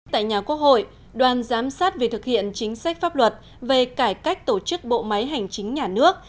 tại nhà quốc hội đoàn giám sát về thực hiện chính sách pháp luật về cải cách tổ chức bộ máy hành chính nhà nước